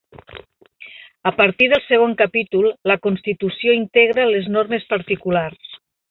A partir del segon capítol, la constitució integra les normes particulars.